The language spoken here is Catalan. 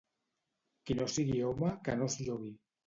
Qui no sigui home que no es llogui.